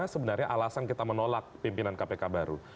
sebenarnya alasan kita menolak pimpinan kpk baru